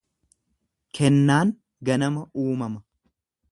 Kennaan ganama uumama.